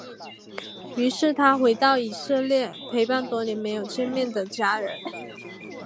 于是他回到以色列陪伴多年没有见面的家人。